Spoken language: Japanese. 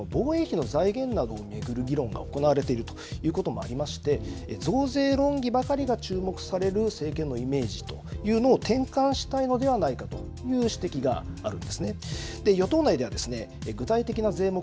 こうした背景にはですね、昨今防衛費の財源などを巡る議論が行われているということもありまして増税論議ばかりが注目される政権のイメージというのを転換したいのではないかという指摘があるんですね。